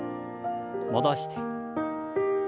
戻して。